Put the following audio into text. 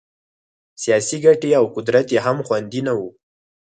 سیاسي ګټې او قدرت یې هم خوندي نه وو.